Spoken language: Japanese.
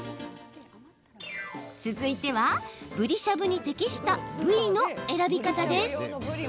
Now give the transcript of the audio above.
続いては、ぶりしゃぶに適した部位の選び方です。